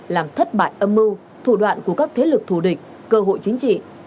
làm thất bại âm mưu thủ đoạn của các thế lực thù địch cơ hội chính trị